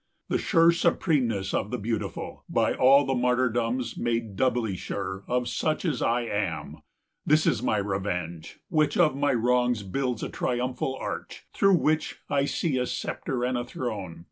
The sure supremeness of the Beautiful, By all the martyrdoms made doubly sure Of such as I am, this is my revenge, Which of my wrongs builds a triumphal arch, 150 Through which I see a sceptre and a throne.